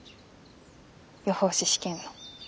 予報士試験の。